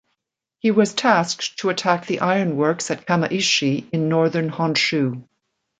He was tasked to attack the ironworks at Kamaishi in northern Honshu.